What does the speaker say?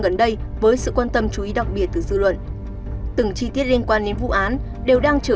gần đây với sự quan tâm chú ý đặc biệt từ dư luận từng chi tiết liên quan đến vụ án đều đang chờ